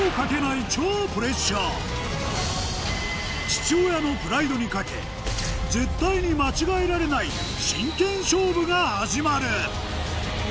小学生のに懸け絶対に間違えられない真剣勝負が始まる！